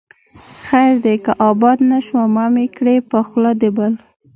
خير دى که آباد نه شوم، مه مې کړې په خوله د بل